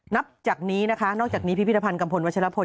นับจากนี้นะคะนอกจากนี้พิพิธภัณฑ์กัมพลวัชลพล